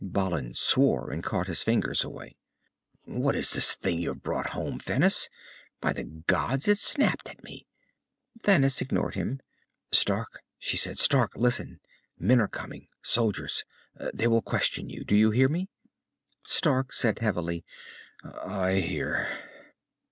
Balin swore, and caught his fingers away. "What is this you have brought home, Thanis? By the gods, it snapped at me!" Thanis ignored him. "Stark," she said. "Stark! Listen. Men are coming. Soldiers. They will question you. Do you hear me?" Stark said heavily, "I hear."